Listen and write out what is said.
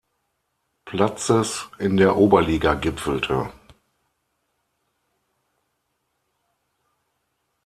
Platzes in der Oberliga gipfelte.